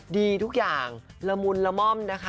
ดีทุกอย่างละมุนละม่อมนะคะ